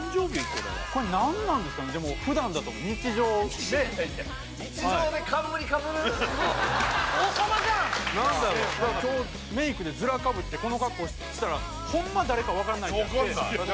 これはこれ何なんですかねでも普段だと思う日常で王様じゃん今日メイクでズラかぶってこの格好したらホンマ誰か分かんないじゃないですか